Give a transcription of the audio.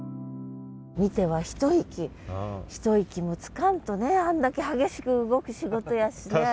見ては一息一息もつかんとねあんだけ激しく動く仕事やしね。